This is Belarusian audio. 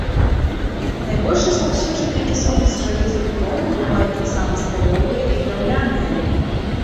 Найбольш распаўсюджаныя кесоны з жалезабетону, бываюць таксама сталёвыя і драўляныя.